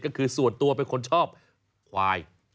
ก็คือส่วนตัวเป็นคนชอบควาย